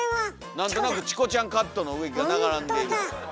何となくチコちゃんカットの植木が並んでいたと。